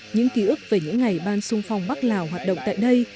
những ký ức về những ngày ban sung phong bắc lào hoạt động tại đây